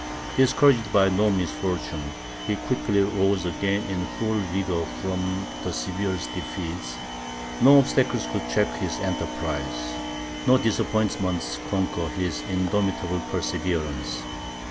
Discouraged by no misfortune, he quickly rose again in full vigour from the severest defeats; no obstacles could check his enterprise, no disappointments conquer his indomitable perseverance.